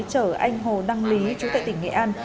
chở anh hồ đăng lý chú tệ tỉnh nghệ an